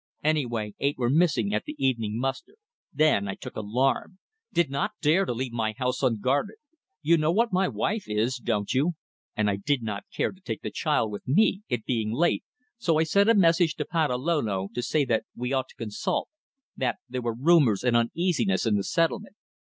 Anyway, eight were missing at the evening muster. Then I took alarm. Did not dare to leave my house unguarded. You know what my wife is, don't you? And I did not care to take the child with me it being late so I sent a message to Patalolo to say that we ought to consult; that there were rumours and uneasiness in the settlement.